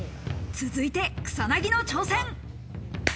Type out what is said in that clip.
続いて草薙の挑戦。